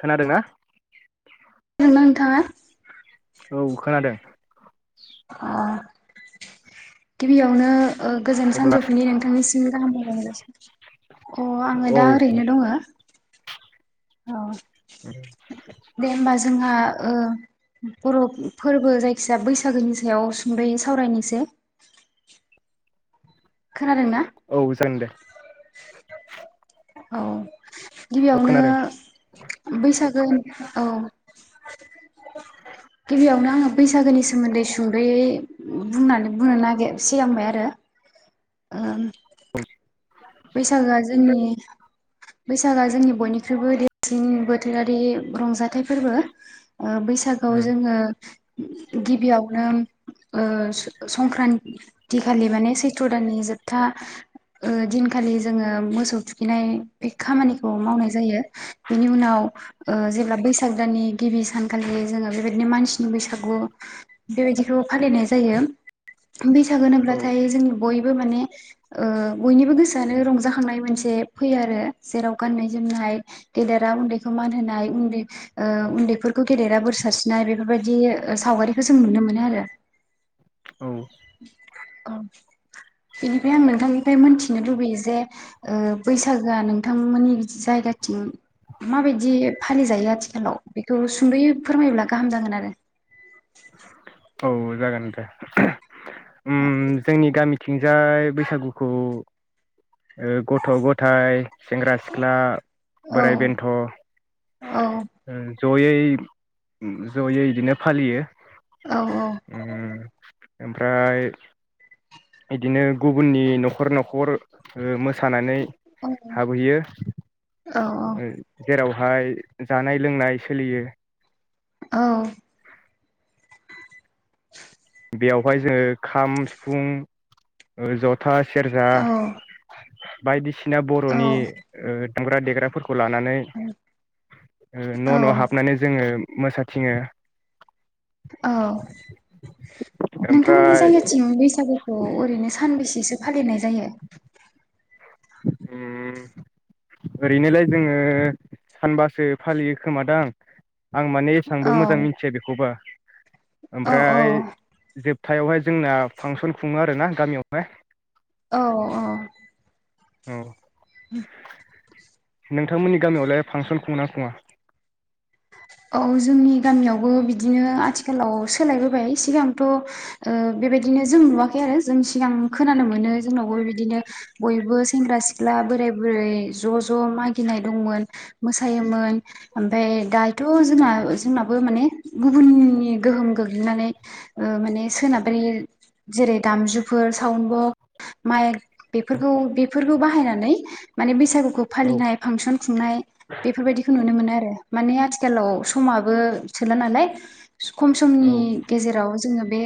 खोनादोंना नोंथाङा औ खोनादों गिबियावनो गोजोन अब्ला सानजौफुनि नोंथांनिसिम गाहाम हलायसै अ आङो औ दा ओरैनो दङ औ दे होमबा जोंहा बर' फोरबो जायखिजया बैसागोनि सायाव सुंदयो सावरायनायसो खोनादों ना औ जागोन दे औ औ खोनादों गिबियावनो बैसागो औ गिबियावनो आङो बैसागोनि सोमोन्दै सुंद'यै बुंनानै बुंनो नागिर सिगांबाय आरो बेैसागुआ जोंनि बैसागोआ जोंनि बयनिख्रुइबो देरसिन बोथोरारि रंजाथाइ फोरबो बैसागआव उम जोङो गिबियावनो ओ संक्रान्ति खालि माने सैथ्र दाननि जोबथा दिन सानखालि जोङो मोसौ थुखैनाय बे खामानिखौ मावनाय जायो बेनि उनाव जेब्ला बैसाग दाननि गिबि सानखालि जोङो बेबायदिनो मानसिनि बैसागु बेबायदिखौ फालिनाय जायो बैसागो औ होनोब्लाथाय जोंनि बयबो बो माने ओ बयनिबो गोसो आनो रंजाखांनाय मोनसे फैयो आरो जेराव गान्नाय जोमनाय गेदेरा उन्दैखौ मान होनाय उन्दै उन्दैफोरखौ गेदेरा बोर सारस्रिनाय बेफोरबायदि सावगारिखौ जों नुनो मोनो आरो औ औ बेनिफ्राय आं नोंथांनिफ्राय मोनथिनो लुबै यो जे ओ बैसागोआ नोंथांमोननि जायगाथिं माबायदि फालिजायो आथिखालाव बेखौ सुंद'यै फोरमायोब्ला गाहाम जागोन आरो औ जागोन दे ओम जोंनि गामिथिंजाय बैसागुखौ [inaudible] ओ गथ' गथाय सेंग्रा सिख्ला औ बोराइ बेन्थ' औ जयै जयै बिदिनो फालियो औ ओम ओमफ्राय बिदिनो गुबुननि न'खर न'खर ओ मो सानानै औ हाबोयो औ ओ जेरावहाय जानाय लोंनाय सोलियो औ बेयावहाय जोङो खाम सिफुं ओ ज था सेरजा औ बायदिसि ना औ बर'नि ओ दामग्रा देग्राफोरखौ लानानै औ ओ न' न' हाबनानै जोङो मोसाथिङो औ नोंथांमोननि ओमफ्राय जायगाथिं बैसागुखौ ओरैनो सानबेसेसो फालिनाय जायो? ओम ओरैनोलाय जोङो सानबासो फालियो खोमा दां आं माने औ एसांबो मोजां मिथिया बेखौबा औ औ ओमफ्राय जोब थायावहाय जोंना फांसन खुङो आरोना गामियावहाय। औ अ। औ। [inaudible] नोंथांमोननि गामियावलाय फांसन खुङो ना खुङा? औ जोंनि गामियावबो बिदिनो आथिखालाव सोलायबोबाय सिगांथ' ओ बेबायदिनो जों नुवाखै आरो जों सिगां खोनानो मोनो जोंनावबो बिदिनो बयबो सेंग्रा सिख्ला बोराय बुरै ज' ज' मागिनाय दंमोन मोसायोमोन ओमफ्राय दा थ' जोंना जोंनाबो माने गुबुननि गोहोम गोग्लैनानै ओ माने सोनाबारि जेरै दामजुफोर सावोन बक मायेक बेफोरखौ बेफोर खौ बाहायनानै माने बैसागु खौ औ फालिनाय फांसन खुंनाय बेफोरबायदिखौ नुनो मोनो आरो। माने आथिखालाव समाबो थोला नालाय। खम समनि औ गेजेराव जोङो बे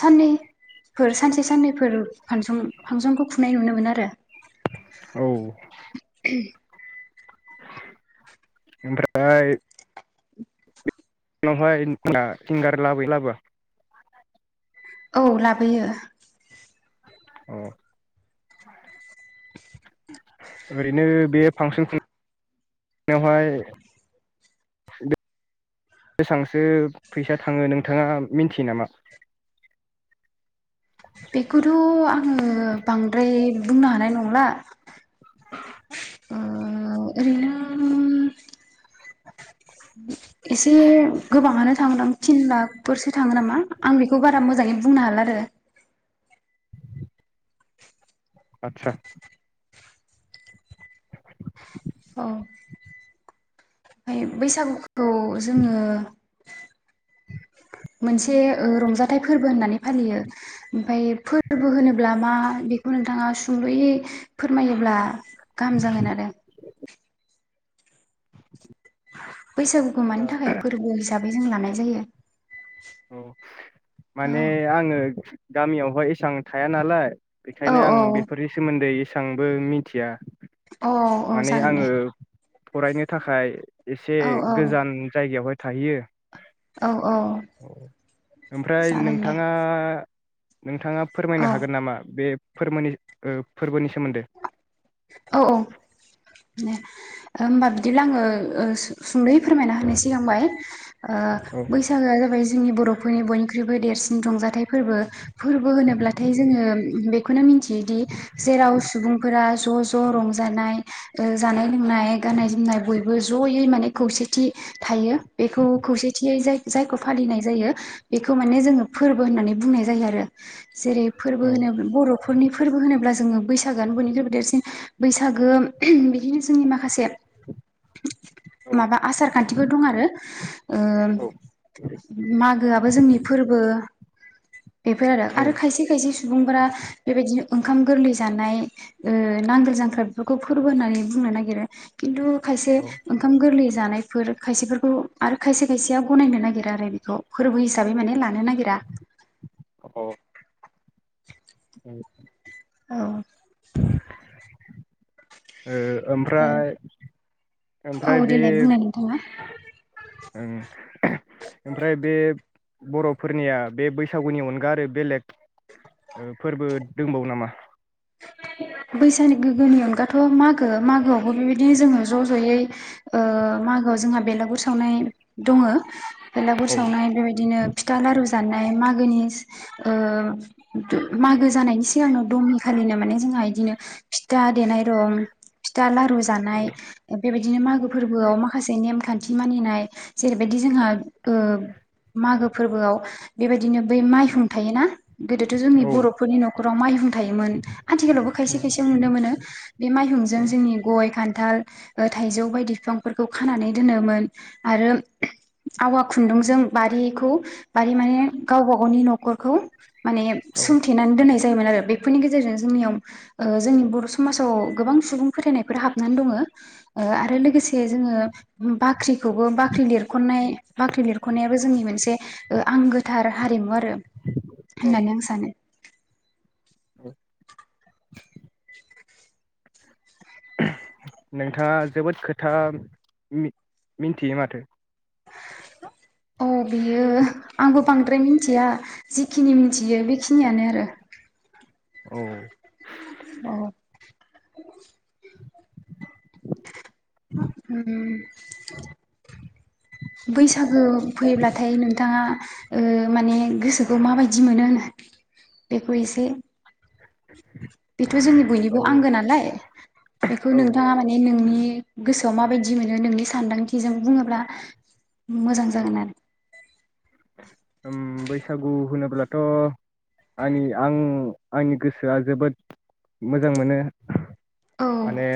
साननैफोर सानसे साननैफोर फांसन फांसनखौ खुंनाय नुनो मोन आरो। औ। ओमफ्राय उनावहाय ना सिंगार लाबोयो लाबोया? औ लाबोयो। अ। ओरैनो बे फांसन खुंनायावहाय बेसांसो फैसा थाङो नोंथाङा मिथियो नामा? बेखौथ' आङो बांद्राय बुंनो हानाय नंला। ओ ओरैनो एसे गोबाङानो थाङो दां थिन लाखफोरसो थाङो नामा आं बेखौ बारा मोजाङै बुंनो हाला आरो। आतसा। औ। ओमफाय बैसागु खौ जोङो मोनसे ओ रंजाथाइ फोरबो होननानै फालियो ओमफाय फोरबो होनोब्ला मा बेखौ नोंथाङा सुंद'यै फोरमायोब्ला गाहाम जागोन आरो। [inaudible] बैसागुखौ मानि थाखाय फोरबो हिसाबै जों लानाय जायो। औ औ माने आङो गामियावहाय एसेबां थाया नालाय औ बेखायनो औ आं बेफोरनि सोमोन्दै एसे एसांबो मिथिया औ औ माने जागोन दे आङो फरायनो थाखाय एसे औ औ गोजान जायगायावहाय थायो औ औ ओमफ्राय जागोन दे नोंथाङा नोंथाङा फोरमायनो औ हागोन नामा बे फोरमोनि ओ फोरबोनि सोमोन्दै औ औ होमबा बिदिब्ला आङो सुंदै फोरमायना होनो सिगांबाय ओ औ बैसागोआ जाबाय जोंनि बर'फोरनि बयनिख्रुइबो देरसिन रंजाथाइ फोरबो। फोरबो होनोब्लाथाय जोङो बेखौनो मिथियोदि जेराव सुबुंफोरा ज' ज' रंजानाय ओ जानाय लोंनाय गाननाय जोमनाय बयबो ज'यै माने खौसेथि थायो बेखौ खौसेथियै जाय जायखौ फालिनाय जायो बेखौ माने जोङो फोरबो होननानै बुंनाय जायो आरो। जेरै फोरबो औ होनोबा बर'फोरनि फोरबो होनोब्ला जों जोङो बैसागो बयनिख्रुबो देरसिन बैसागो बिदिनो जोंनि माखासे औ माबा आसार खान्थिफोर दं आरो। ओ औ मागोआबो जोंनि फोरबो बेफोर आरो। औ आरो खायसे खायसे सुबुंफोरा बेबायदिनो ओंखाम गोरलै जानाय, ओ नांगोल जांख्रा बेफोरखौ फोरबो होननानै बुंनो नागिरो। खिन्थु खायसे औ ओंखाम गोरलै जानायफोर खायसेफोरखौ आरो खायसे खायसेया गनायनो नागिरा आरो बेखौ फोरबो हिसाबै माने लानो नागिरा। औ [unintelligible] औ ओ ओमफ्राय औ ओमफ्राय बे देलाय बुंलाय नोंथाङा। ओं ओमफ्राय बे बर'फोरनिया बे बैसागुनि अनगा आरो बेलेग फोरबो दंबावो नामा? बैसानि गोग्गोनि अनगाथ' मागो मागोआवबो बेबायदिनो जोङो ज' ज'यै ओ मागोआव जोंहा बेलागुर सावनाय दङो। बेलागुर औ सावनाय बेबायदिनो फिथा लारु जानाय मागोनि ओ मागो जानायनि सिगांनो द' खालिनो माने जोंहा इदिनो फिथा देनाय दं, फिथा लारु जानाय बेबायदि नो मागो फोरबोआव माखासे नेमखान्थि मानिनाय जेरैबायदि जोंहा ओ मागो फोरबोआव बेबायदिनो बै माइहुं थायोना? गोदोथ' जोंनि औ बर'फोरनि न'खराव माइहुं थायोमोन। आथिखालावबो खायसे उम खायसे नुनो मोनो बे माइहुंजों जोंनि गय खान्थाल थाइजौ बायदि बिफांफोरखौ खानानै दोनोमोन आरो आवा खुन्दुंजों बारिखौ बारि माने गावबा गावनि न'खरखौ माने औ सोंथेनानै दोननाय जा जायोमोन आरो बेफोरनि गेजेरजों जोंनियाव ओ जोंनि बर' समाजाव गोबां सुबुं फोथायनायफोर हाबनानै दङो ओ आरो लोगोसे जोङो बाख्रि खौबो बाख्रि लिरख'नाय बाख्रि लिरख'नायाबो जोंनि मोनसे ओ आंगोथार हारिमु आ रो होननानै आं सानो। [inaudible] [inaudible] नोंथाङा जोबोद खोथा मिनथियो माथो। औ। बियो आंबो बांद्राय मिन थिया जिखिनि मिनथियो बेखिनियानो आरो। औ। औ। ओम बैसागो फैब्लाथाय नोंथाङा ओ माने गोसोखौ माबायदि मोनो होनो बेखौ एसे बेथ' जोंनि बयनिबो औ आंगो नालाय बेखौ औ नोंथाङा माने नोंनि गोसोआव माबायदि मोनो नोंनि सानदांथिजों बुङोब्ला मोजां जागोन आरो। उम बैसागु होनोब्लाथ' आंनि आं आंनि गोसोआ जोबोद मोजां मोनो। औ माने।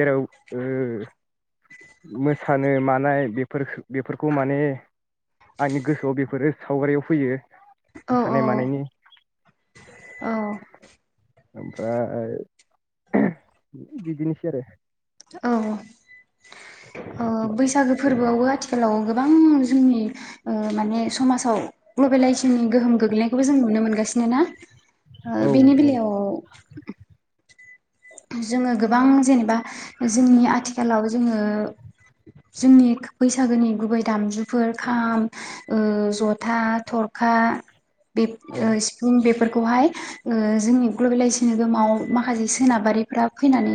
जेराव ओ मोसानो मानाय बेफोरखो बेफोरखौ माने आंनि गोसोआव बेफोरो सावगारियाव फैयो। औ मोसानाय मानायनि। औ ओमफ्राय बिदिनोसै आरो। औ। अ होमबा। बैसागो फोरबोआवबो आथिखालाव गो बां जोंनि ओ माने समाजाव ग्लबेलाइजेसननि गोहोम गोग्लैनायखौबो जों नुनो मोनगासिनो ना? ओ औ बेनि बेलायाव जोङो गोबां जेनेबा जोंनि आथिखालाव जोङो जोंनि बैसागोनि गुबै दामजुफोर खाम ओ ज'था, थरखा बे औ ओ सिफुं बेफोर [unintelligible] जोंनि ग्लबेलाइजेसन गोहोमाव माखासे [unintelligible] सोनाबारिफ्रा फैनानै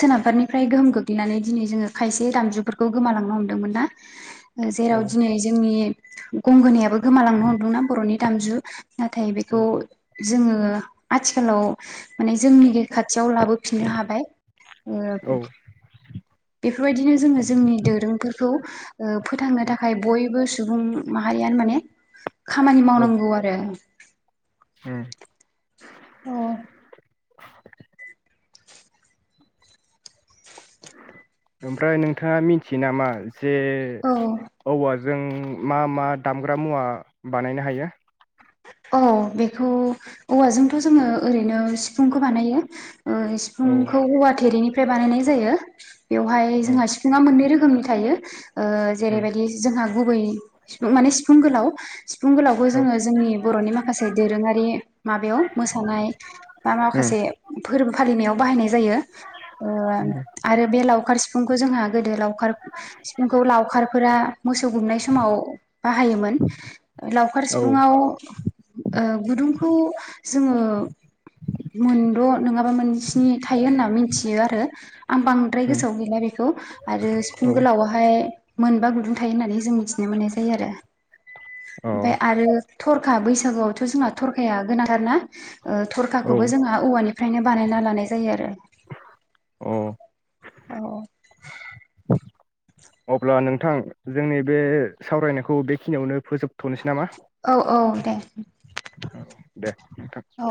सोनाबारिनिफ्राय गोहोम गोग्लैनानै दिनै जोङो खायसे दामजुफोरखौ गोमालांनो हमदोंमोन ना। औ जेराव दिनै जोंनि गंगोनायाबो गोमालांनो हमदोंना बर'नि दामजु नाथाय बेखौ जोङो आथिखालाव माने जोंनि [unintelligible] खाथियाव लाबोफिननो हाबाय। औ बेफोरबायदिनो जोङो जोंनि दोरोंफोरखौ फोथांनो थाखाय बयबो सुबुं माहारियानो माने खामानि औ। मावनांगौ आरो [unintelligible] उम। औ [unintelligible] ओमफ्राय नोंथाङा मिथियो नामा? जे औ औवा जों मा मा दामग्रा मुवा बानायनो हायो? औ बेखौ औवाजोंथ' जोङो ओरैनो सिफुंखौ बानायो। औ सिफुंखौ औवा थेरैनि फ्राय बानायनाय जायो। बेवहाय औ जोंहा सिफुङा मोननै रोखोमनि रोखोमनि थायो। ओ जेरैबायदि जोंहा गुबै सिफुं माने सिफुं गोलाव सिफुं गोलावखौ जोङो जोंनि बर'नि माखासे दोरोङारि माबायाव मोसानाय बा औ माखासे फोरबो फालिनायाव बाहायनाय। जायो आरो लावखार सिफुंखौ जोंहा गोदो [unintelligible] लावखार सिफुंखौ लावखारफोरा मोसौ गुमनाय समाव बाहायोमोन लावखार औ सिफुुंआव गुदुंखौ जोङो मोनद' नङाबा मोनसिनि थायो होनना मिथियो आरो। आं बांद्राय उम गोसोआव गैला बेखौ आरो सिफुं औ गोलावावहाय मोनबा गुदुं थायो होननानै जों मिथिनो मोननाय अ जायो आरो। थरखा बैसागोआवथ' जोंना थरखाया गोनांथारना। औ थरखाखौबो जोंहा औवानिफ्रायनो बानायना लानाय जायो आरो। अ। औ। अब्ला नोंथां जोंनि बे सावरायनायखौ बेखिनियावनो फोजोबथ'नोसै नामा। औ औ दे दे नोंथां औ।